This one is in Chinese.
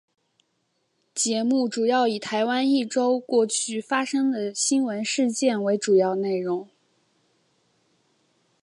节目主要以台湾一周过去发生的新闻事件为主要内容。